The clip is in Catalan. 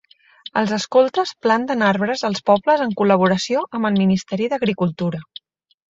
Els escoltes planten arbres als pobles en col·laboració amb el Ministeri d'Agricultura.